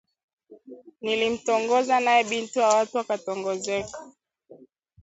Nilimtongoza naye binti wa watu akatongozeka